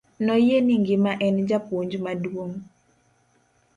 Noyie ni ng'ima en japuonj maduong'.